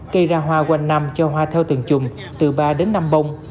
cây ra hoa quanh năm cho hoa theo từng chùm từ ba đến năm bông